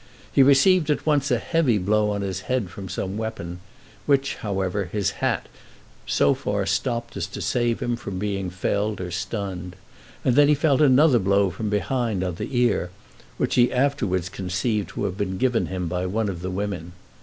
He received at once a heavy blow on his head from some weapon, which, however, his hat so far stopped as to save him from being felled or stunned, and then he felt another blow from behind on the ear, which he afterwards conceived to have been given him by one of the women.